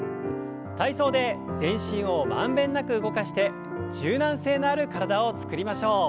体操で全身を満遍なく動かして柔軟性のある体を作りましょう。